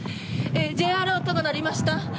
Ｊアラートが鳴りました。